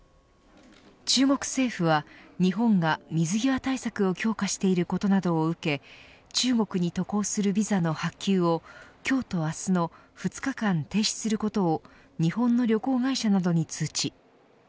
中国政府は日本が水際対策を強化していることなどを受け中国に渡航するビザの発給を今日と明日の２日間停止することを日本の旅行会社などに通知。